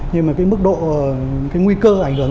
nhưng mà cái mức độ cái nguy cơ ảnh hưởng